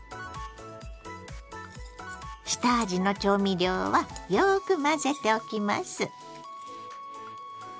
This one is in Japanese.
下味の調味料はよく混ぜておきます。